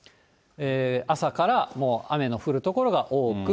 朝からもう雨の降る所が多く。